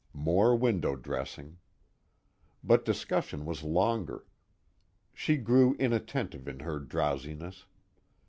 More window dressing. But discussion was longer; she grew inattentive in her drowsiness.